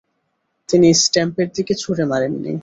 তিনি স্ট্যাম্পের দিকে ছুড়ে মারেননি।